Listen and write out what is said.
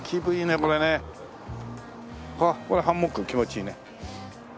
これハンモック気持ちいいね。